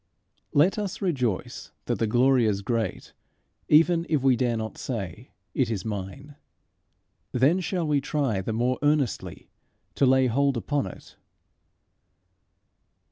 Let us rejoice that the glory is great, even if we dare not say, It is mine. Then shall we try the more earnestly to lay hold upon it.